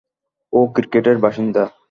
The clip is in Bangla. ও ক্রিটের বাসিন্দা।